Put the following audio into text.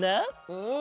うん。